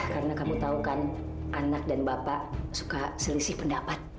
karena kamu tahu kan anak dan bapak suka selisih pendapat